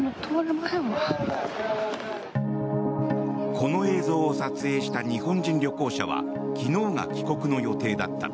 この映像を撮影した日本人旅行者は昨日が帰国の予定だった。